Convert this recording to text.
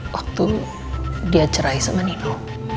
waktu dia cerai sama nino